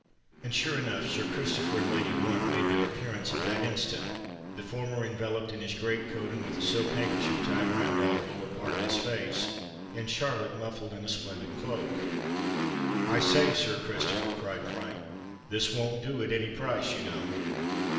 And, sure enough, Sir Christopher and Lady Blunt made their appearance at that instant, the former enveloped in his great coat and with a silk handkerchief tied round all the lower part of his face,—and Charlotte muffled in a splendid cloak. "I say, Sir Christopher!" cried Frank: "this won't do at any price, you know."